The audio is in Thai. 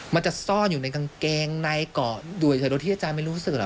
มันจะซ่อนอยู่ในกางเกงในเกาะอยู่เฉยโดยที่อาจารย์ไม่รู้สึก